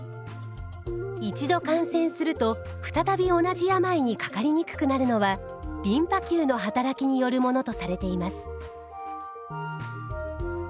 一度感染すると再び同じ病にかかりにくくなるのはリンパ球の働きによるものとされています。